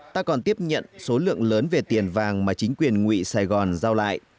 ta còn tiếp nhận số lượng lớn về tiền vàng mà chính quyền nguyễn sài gòn giao lại